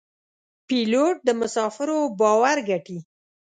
پیلوټ د مسافرو باور ګټي.